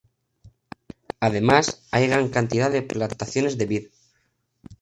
Además hay gran cantidad de plantaciones de vid.